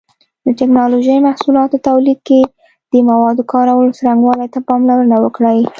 د ټېکنالوجۍ محصولاتو تولید کې د موادو کارولو څرنګوالي ته پاملرنه وکړئ.